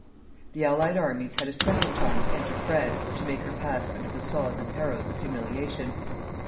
The allied armies had a second time entered France to make her pass under the saws and harrows of humiliation.